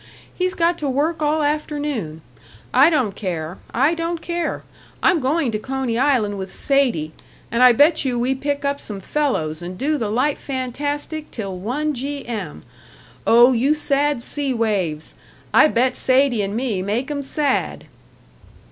He's got to work all afternoon. I don't care I don't care! I'm going to Coney Island with Sadie, and I bet you we pick up some fellows and do the light fantastic till one G. M. Oh, you sad sea waves! I bet Sadie and me make 'em sad!"